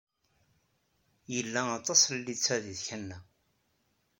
Yella aṭas n litteɛ deg tkanna.